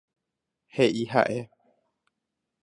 He'i ha'e.